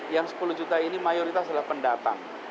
yang sepuluh juta ini mayoritas adalah pendatang